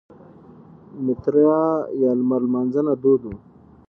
میترا یا لمر لمانځنه دود وه